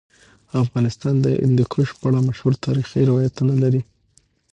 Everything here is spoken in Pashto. افغانستان د هندوکش په اړه مشهور تاریخی روایتونه لري.